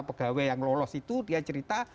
pegawai yang lolos itu dia cerita